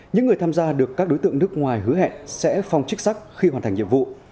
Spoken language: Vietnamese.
những người tham gia được các đối tượng nước ngoài hứa hẹn sẽ phong chức sắc khi hoàn thành nhiệm vụ